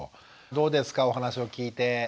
どうですかお話を聞いて。